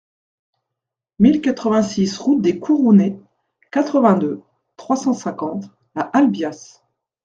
mille quatre-vingt-six route des Courounets, quatre-vingt-deux, trois cent cinquante à Albias